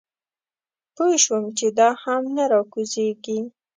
پوی شوم چې دا هم نه راکوزېږي.